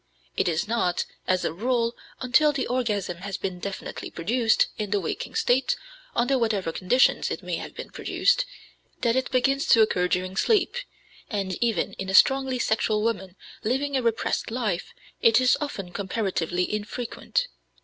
It is not, as a rule, until the orgasm has been definitely produced in the waking state under whatever conditions it may have been produced that it begins to occur during sleep, and even in a strongly sexual woman living a repressed life it is often comparatively infrequent.